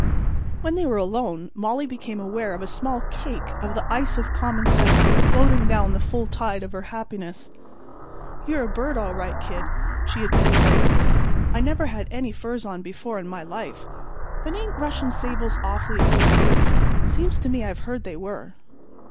When they were alone Molly became aware of a small cake of the ice of common sense floating down the full tide of her happiness. "You're a bird, all right, Kid," she admitted gratefully. "I never had any furs on before in my life. But ain't Russian sables awful expensive? Seems to me I've heard they were."